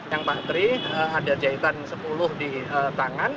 yang pak tri ada jahitan sepuluh di tangan